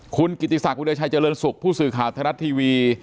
คุณกิติศักดิ์วิทยาชัยเจริญสุขผู้สื่อขาวทะลัดทีวี